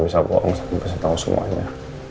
gak bisa bohong gak bisa tau semuanya